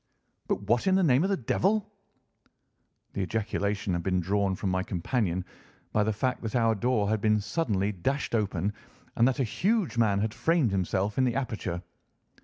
But what in the name of the devil!" The ejaculation had been drawn from my companion by the fact that our door had been suddenly dashed open, and that a huge man had framed himself in the aperture.